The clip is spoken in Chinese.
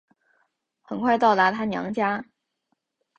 很快到达她娘家